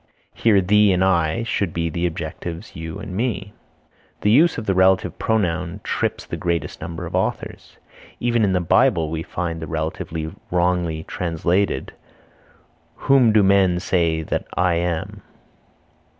Here thee and I should be the objectives you and me. The use of the relative pronoun trips the greatest number of authors. Even in the Bible we find the relative wrongly translated: Whom do men say that I am?